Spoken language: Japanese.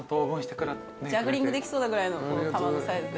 ジャグリングできそうなぐらいの玉のサイズで。